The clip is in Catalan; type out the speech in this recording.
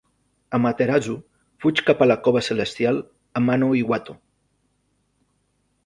Amaterasu fuig cap a la cova celestial Amano-Iwato.